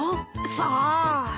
さあ。